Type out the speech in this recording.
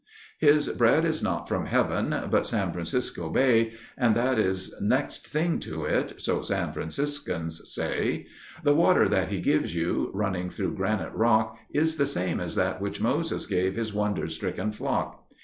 His bread is not from Heaven—but San Francisco Bay And that is next thing to it—so San Franciscans say. The water that he gives you—running through granite rock Is the same as that which Moses gave his wonder stricken flock.